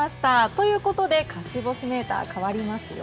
ということで勝ち星メーター、変わりますよ。